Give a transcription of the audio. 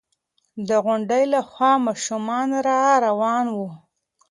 د غونډۍ له خوا ماشومان را روان وو.